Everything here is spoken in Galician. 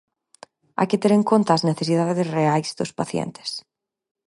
Hai que ter en conta as necesidades reais dos pacientes.